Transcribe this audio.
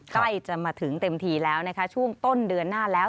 ใกล้จะมาถึงเต็มทีแล้วนะคะช่วงต้นเดือนหน้าแล้ว